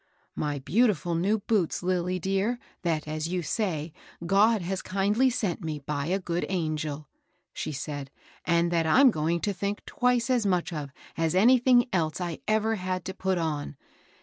^ My beautifiil new boots, Lilly dear, that, as you say, God has kindly sent me, by a good angel," she said, "and that I'm going to think twice as much of as of anything else I ever had to put on.